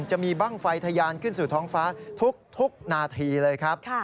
จะมีบ้างไฟทะยานขึ้นสู่ท้องฟ้าทุกนาทีเลยครับ